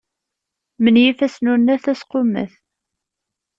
Menyif asnunnet asqummet.